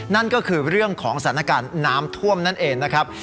นั่นก็คือเรื่องของสถานการณ์น้ำท่วมนั่นเองนะครับ